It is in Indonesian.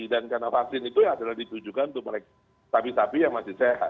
dan karena vaksin itu ya adalah ditujukan untuk mereka sapi sapi yang masih sehat